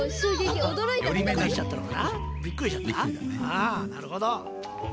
あなるほど。